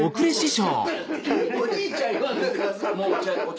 おじいちゃん言わんといてください。